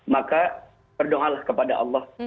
maka berdoa lah kepada allah